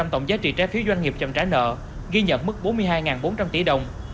tổng giá trị trái phiếu doanh nghiệp chậm trả nợ ghi nhận mức bốn mươi hai bốn trăm linh tỷ đồng